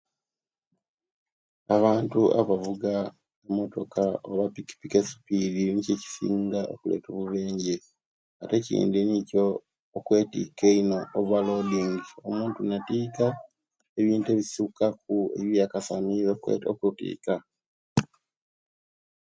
Abantu abavuga emotoka oba epicikiki esipiddi Nikyo ekisinga okuleta obubenje; ate ekindi Nikyo okwetika eino, (overloading), omuntu natiika ebintu ebisukaku ebintu ebiyandisanire okwetika.